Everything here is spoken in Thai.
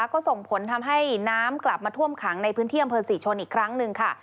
ก็ส่งผลทำให้น้ำกลับมาท่วมขังในพื้นที่อำเภอศรีชนอีกครั้งหนึ่งค่ะ